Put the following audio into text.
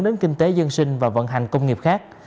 đến kinh tế dân sinh và vận hành công nghiệp khác